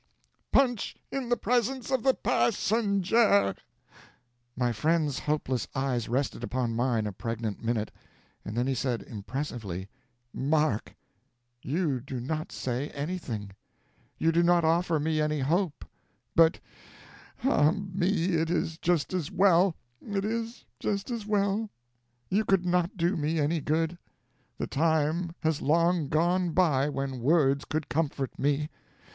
PUNCH in the presence of the passenjare!" My friend's hopeless eyes rested upon mine a pregnant minute, and then he said impressively: "Mark, you do not say anything. You do not offer me any hope. But, ah me, it is just as well it is just as well. You could not do me any good. The time has long gone by when words could comfort me.